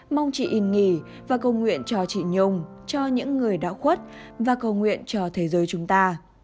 mong chị yên nghỉ và cầu nguyện cho chị nhung cho những người đã khuất và cầu nguyện cho thế giới chúng ta